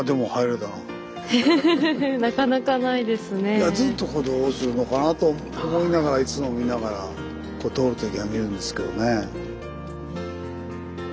いやずっとここどうするのかなと思いながらいつも見ながらここ通るときは見るんですけどね。